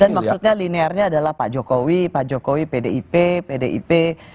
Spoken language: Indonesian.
dan maksudnya linearnya adalah pak jokowi pak jokowi pdip pdip